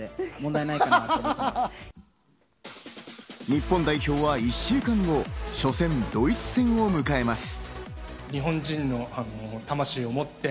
日本代表は１週間後、初戦、ドイツ戦を迎えます。